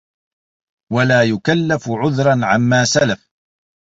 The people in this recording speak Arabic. وَلَا يُكَلَّفُ عُذْرًا عَمَّا سَلَفَ